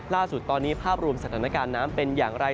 ล่าสุดตอนนี้ภาพรวมสถานการณ์น้ำเป็นอย่างไร